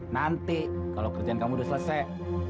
nanti kalau kerjaan kamu sudah selesai